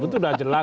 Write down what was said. itu udah jelas